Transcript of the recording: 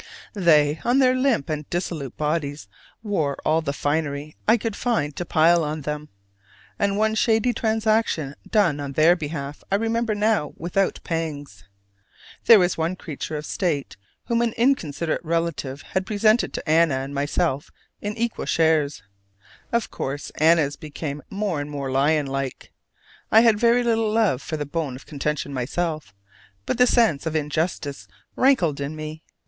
They, on their limp and dissolute bodies, wore all the finery I could find to pile on them: and one shady transaction done on their behalf I remember now without pangs. There was one creature of state whom an inconsiderate relative had presented to Anna and myself in equal shares. Of course Anna's became more and more lionlike. I had very little love for the bone of contention myself, but the sense of injustice rankled in me.